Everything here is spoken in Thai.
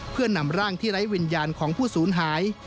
เพื่อนำร่างที่ไร้วิญญาณของผู้สูญหาย